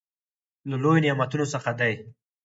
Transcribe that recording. له لويو نعمتونو څخه دى.